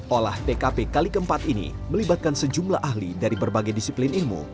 olah tkp kali keempat ini melibatkan sejumlah ahli dari berbagai disiplin ilmu